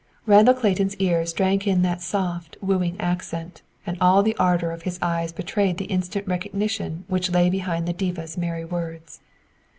Randall Clayton's ears drank in that soft, wooing accent, and all the ardor of his eyes betrayed the instant recognition which lay behind the diva's merry words.